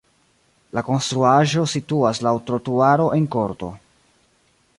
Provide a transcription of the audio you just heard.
La konstruaĵo situas laŭ trotuaro en korto.